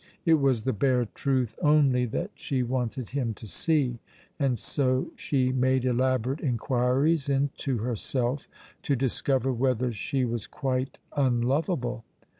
It was the bare truth only that she wanted him to see, and so she made elaborate inquiries into herself, to discover whether she was quite unlovable.